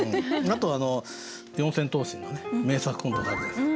あと四千頭身の名作コントがあるじゃないですか。